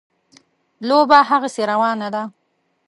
لوبه هغسې روانه ده.